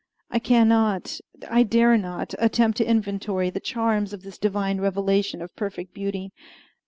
I can not, I dare not, attempt to inventory the charms of this divine revelation of perfect beauty.